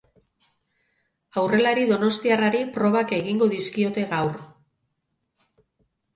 Aurrelari donostiarrari probak egingo dizkiote gaur.